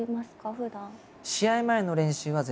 ふだん。